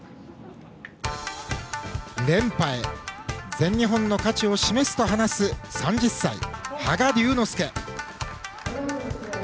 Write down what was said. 連覇へ全日本の価値を示すと話す３０歳、羽賀龍之介。